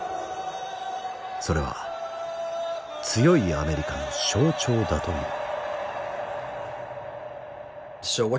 それは強いアメリカの象徴だという。